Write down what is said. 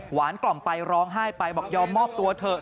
กล่อมไปร้องไห้ไปบอกยอมมอบตัวเถอะ